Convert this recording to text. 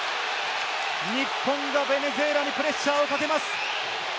日本がベネズエラにプレッシャーをかけます。